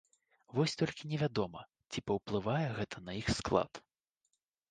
Вось толькі невядома, ці паўплывае гэта на іх склад.